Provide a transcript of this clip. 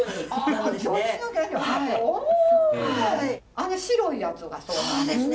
あの白いやつがそうなんですか？